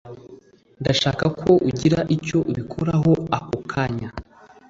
Ndashaka ko ugira icyo ubikoraho ako kanya.